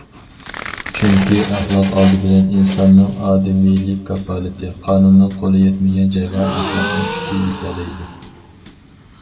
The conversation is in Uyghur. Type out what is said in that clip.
چۈنكى، ئەخلاق ئالدى بىلەن ئىنساننىڭ ئادىمىيلىك كاپالىتى، قانۇننىڭ قولى يەتمىگەن جايغا ئەخلاقنىڭ كۈچى يېتەلەيدۇ.